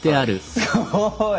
すごい！